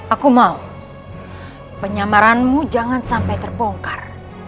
aku mau penyamaranmu jangan sampai terbongkar